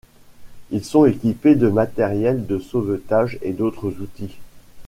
Ils sont équipés de matériel de sauvetage et d'autres outils.